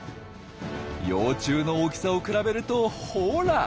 幼虫の大きさを比べるとほら！